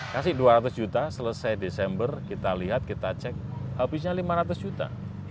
kasih dua ratus juta selesai desember kita lihat kita cek habisnya lima ratus juta